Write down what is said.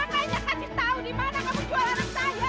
kayaknya kasih tahu di mana kamu jual anak saya